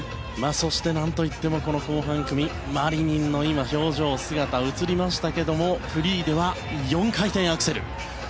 そして何といっても後半組、マリニンの表情姿が映りましたがフリーでは４回転アクセル。